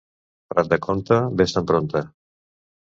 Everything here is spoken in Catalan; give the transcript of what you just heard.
Prat de Comte, ves-te'n prompte.